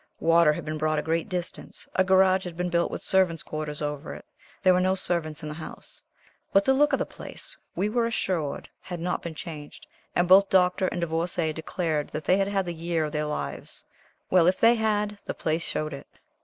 Water had been brought a great distance, a garage had been built with servants' quarters over it there were no servants in the house, but the look of the place, we were assured, had not been changed, and both Doctor and Divorcée declared that they had had the year of their lives. Well, if they had, the place showed it.